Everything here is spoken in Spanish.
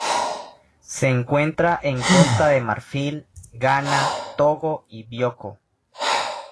Se encuentra en Costa de Marfil, Ghana, Togo y Bioko.